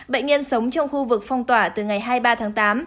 bệnh nhân sống trong khu vực phong tỏa từ ngày hai mươi ba tháng tám